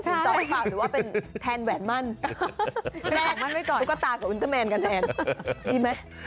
หรือว่าก็เป็นแทนแวนมั่น